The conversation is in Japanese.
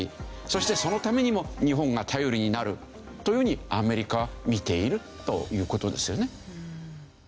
そしてそのためにも日本が頼りになるというふうにアメリカは見ているという事ですよね。